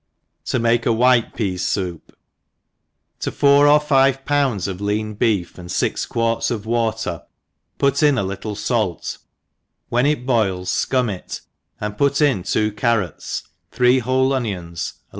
To make a White Peas Soup* TO four or five oounds of lean beef and fir quarts of vtater put ip a little fait, when it boils fcum it, and put in two carrots, three whole onions, a